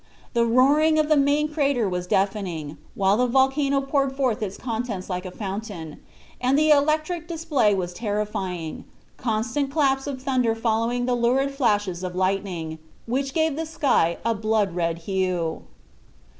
The roaring of the main crater was deafening, while the volcano poured forth its contents like a fountain, and the electric display was terrifying, constant claps of thunder following the lurid flashes of lightning, which gave the sky a blood red hue.